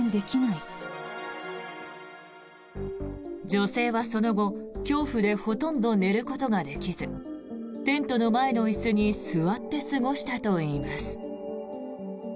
女性はその後、恐怖でほとんど寝ることができずテントの前の椅子に座って過ごしたといいます。